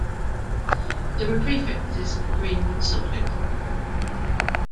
There are prefixes agreeing with the subject.